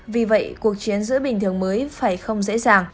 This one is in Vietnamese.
vì vậy cuộc chiến giữa bình thường mới phải không dễ dàng